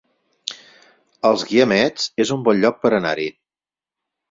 Els Guiamets es un bon lloc per anar-hi